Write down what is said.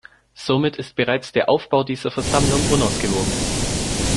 Somit ist bereits der Aufbau dieser Versammlung unausgewogen.